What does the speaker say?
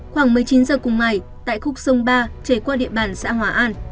khoảng một mươi chín giờ cùng ngày tại khúc sông ba chảy qua địa bàn xã hòa an